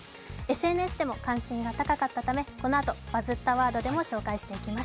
ＳＮＳでも関心が高かったため、このあと「バズったワード」でも紹介していきます。